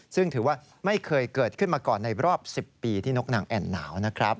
ซึ่งถือว่าไม่เคยเกิดขึ้นมาก่อนในรอบ๑๐ปีที่นกนางแอ่นหนาวนะครับ